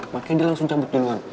makanya dia langsung cabut duluan